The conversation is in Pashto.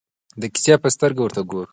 د کیسې په سترګه ورته ګورو.